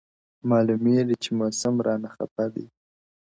• معلوميږي چي موسم رانه خفه دی..